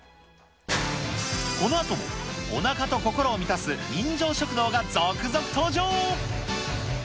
このあともおなかと心を満たす人情食堂が続々登場。